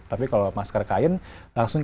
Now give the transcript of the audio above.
tapi kalau masker kain langsung